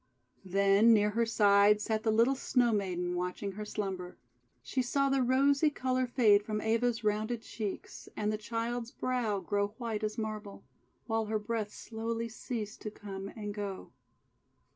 Then near her side sat the little Snow Maiden, watching her slumber. She saw the rosy colour fade from Eva's rounded cheeks, and the child's brow grow white as marble; while her breath slowly ceased to come and go.